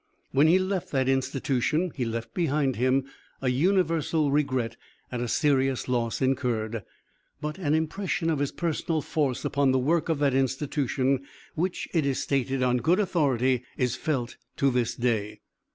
When he left that institution he left behind him a universal regret at a serious loss incurred, but an impression of his personal force upon the work of that institution which it is stated, on good authority, is felt to this day.